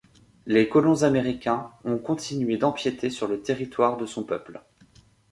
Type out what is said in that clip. Les colons américains ont continué d'empiéter sur le territoire de son peuple.